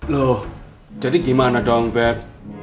loh jadi gimana dong bed